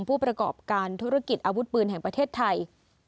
ผู้ประกอบการธุรกิจอาวุธปืนแห่งประเทศไทย